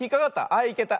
あっいけた。